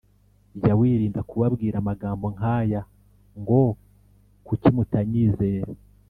Jya wirinda kubabwira amagambo nk aya ngo kuki mutanyizera